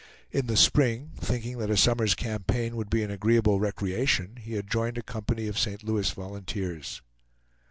In the spring, thinking that a summer's campaign would be an agreeable recreation, he had joined a company of St. Louis volunteers.